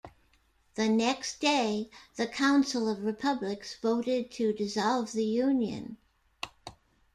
The next day the Council of Republics voted to dissolve the Union.